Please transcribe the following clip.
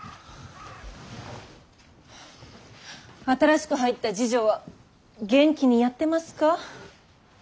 新しく入った侍女は元気にやってますか。